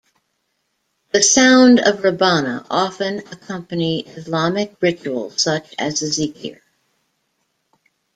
The sound of Rebana often accompany Islamic ritual such as the zikir.